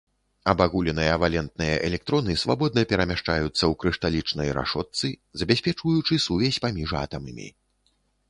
Абагуленыя валентныя электроны свабодна перамяшчаюцца ў крышталічнай рашотцы, забяспечваючы сувязь паміж атамамі.